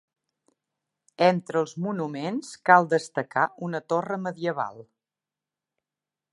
Entre els monuments cal destacar una torre medieval.